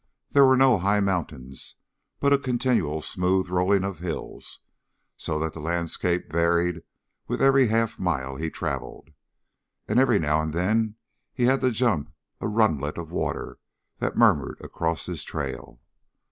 There were no high mountains, but a continual smooth rolling of hills, so that the landscape varied with every half mile he traveled. And every now and then he had to jump a runlet of water that murmured across his trail.